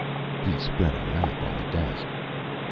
He spread a map on the desk.